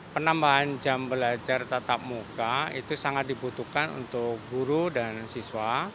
penambahan jam belajar tatap muka itu sangat dibutuhkan untuk guru dan siswa